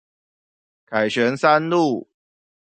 凱旋三路